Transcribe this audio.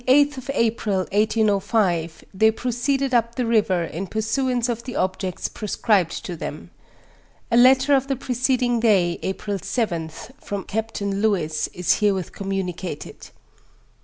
the 8t1i of April, 1805, they proceeded up the river in pur snance of the objects prescribed to them. A letter of the preceding day, April 7th, from Captain Lewis, is herewith communicated.